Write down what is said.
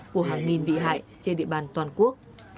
của hàng nghìn bị hại trên địa bàn toàn quốc